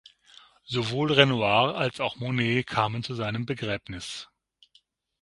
Sowohl Renoir als auch Monet kamen zu seinem Begräbnis.